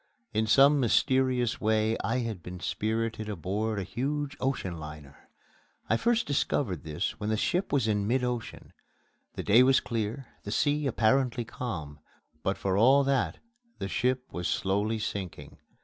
In some mysterious way I had been spirited aboard a huge ocean liner. I first discovered this when the ship was in mid ocean. The day was clear, the sea apparently calm, but for all that the ship was slowly sinking.